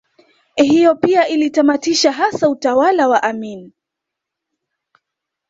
Hiyo pia ilitamatisha hasa utawala wa Amin